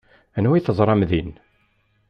Anwa ay teẓram din?